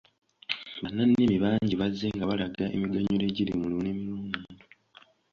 Bannannimi bangi bazze nga balaga emiganyulo egiri mu lulimi lw’omuntu.